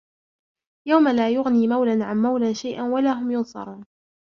يَوْمَ لَا يُغْنِي مَوْلًى عَنْ مَوْلًى شَيْئًا وَلَا هُمْ يُنْصَرُونَ